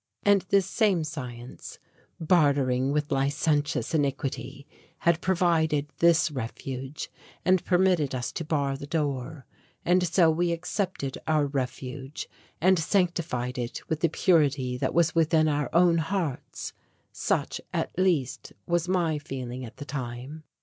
And this same science, bartering with licentious iniquity, had provided this refuge and permitted us to bar the door, and so we accepted our refuge and sanctified it with the purity that was within our own hearts such at least was my feeling at the time.